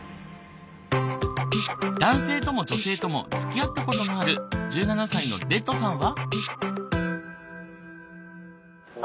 男性とも女性ともつきあったことのある１７歳のデッドさんは？